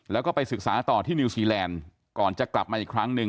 แล้วก็ไปศึกษาต่อที่นิวซีแลนด์ก่อนจะกลับมาอีกครั้งหนึ่ง